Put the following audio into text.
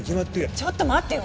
ちょっと待ってよ。